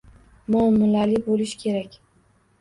Muomalali bo'lish kerak